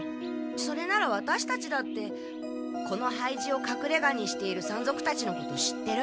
それならワタシたちだってこの廃寺をかくれがにしている山賊たちのこと知ってる。